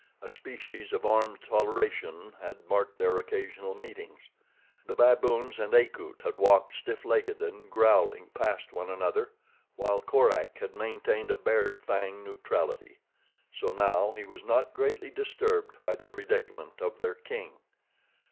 A species of armed toleration had marked their occasional meetings. The baboons and Akut had walked stiff legged and growling past one another, while Korak had maintained a bared fang neutrality. So now he was not greatly disturbed by the predicament of their king.